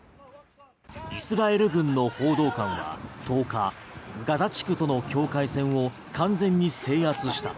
イスラエル軍の報道官は１０日ガザ地区との境界線を完全に制圧した。